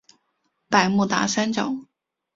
百慕达三角。